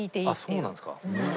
あっそうなんですか。